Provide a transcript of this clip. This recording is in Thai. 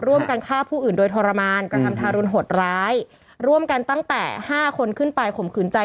ร่วมกันฆ่าผู้อื่นโดยทรมานกระทำทารุณหดร้ายร่วมกันตั้งแต่ห้าคนขึ้นไปข่มขืนใจ